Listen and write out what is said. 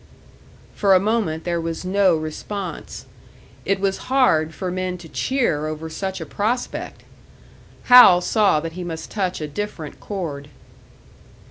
For a moment there was no response. It was hard for men to cheer over such a prospect! Hal saw that he must touch a different chord.